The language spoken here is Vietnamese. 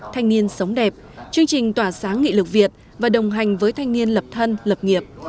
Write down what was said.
thanh niên sống đẹp chương trình tỏa sáng nghị lực việt và đồng hành với thanh niên lập thân lập nghiệp